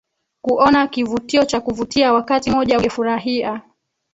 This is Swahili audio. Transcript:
kuona kivutio cha kuvutia wakati moja ungefurahia